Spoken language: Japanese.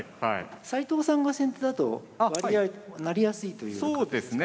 斎藤さんが先手だと割合なりやすいという感じですかね。